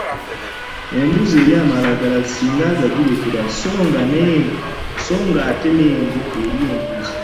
Embuzi erya amalagala singa agagirekera sso ng'ate n'engo erya embuzi.